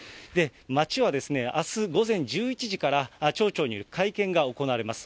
町はあす午前１１時から町長による会見が行われます。